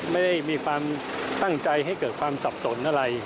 ไม่ได้มีความตั้งใจให้เกิดความสับสนอะไร